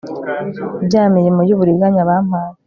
Bya mirimo yuburiganya bampaye